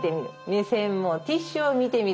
目線もティッシュを見てみる。